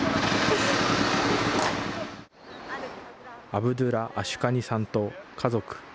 アブドゥラ・アシュカニさんと家族。